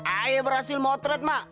ayah berhasil motret mak